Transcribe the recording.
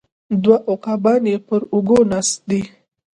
دوه عقابان یې پر اوږو ناست دي